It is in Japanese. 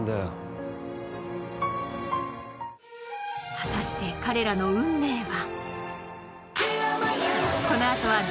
果たして彼らの運命は？